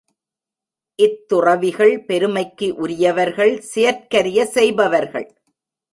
இத் துறவிகள் பெருமைக்கு உரியவர்கள் செயற்கரிய செய்பவர்கள்.